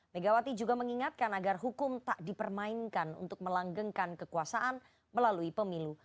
megawati juga mengingatkan agar hukum tak dipermainkan untuk melanggengkan kekuasaan melalui pemilu